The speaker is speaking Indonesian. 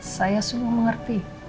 saya semua mengerti